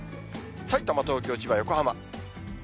さいたま、東京、千葉、横浜。